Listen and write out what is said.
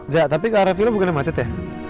zak tapi ke rfi lo bukan yang macet ya